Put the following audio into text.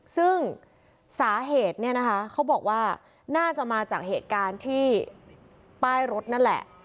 ซึ่งสาเหตุเนี่ยนะคะเขาบอกว่าน่าจะมาจากเหตุการณ์ที่ป้ายรถนั่นแหละ